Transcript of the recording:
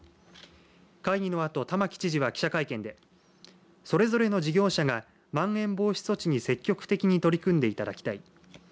会議のあと玉城知事は記者会見でそれぞれの事業者がまん延防止等重点措置に積極的に取り組んでいただきたい。